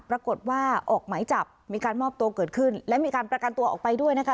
ปรากฏว่าออกหมายจับมีการมอบตัวเกิดขึ้นและมีการประกันตัวออกไปด้วยนะคะ